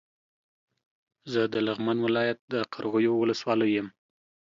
زه د لغمان ولايت د قرغيو ولسوالۍ يم